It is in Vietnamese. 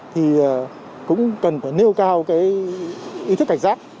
thì cũng cần phải nêu cao cái ý thức cảnh giác